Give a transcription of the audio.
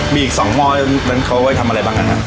มีอีกสองหม้อนั้นเขาจะทำอะไรบ้างกันครับ